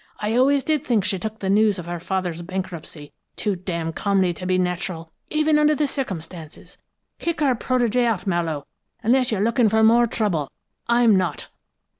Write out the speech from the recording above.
I always did think she took the news of her father's bankruptcy too d n' calmly to be natural, even under the circumstances. Kick her protégée out, Mallowe, unless you're looking for more trouble. I'm not.'"